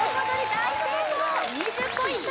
大成功２０ポイント